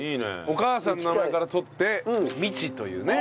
お母さんの名前から取って「みち」というね。